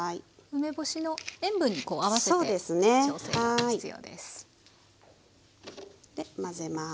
梅干しの塩分に合わせて調整が必要です。